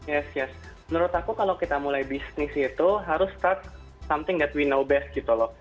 yes yes menurut aku kalau kita mulai bisnis itu harus start something that we know best gitu loh